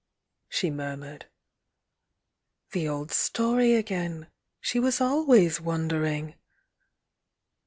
she murmured. The old story again! — she was always wondering!